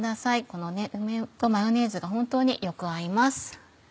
この梅とマヨネーズが本当によく合います。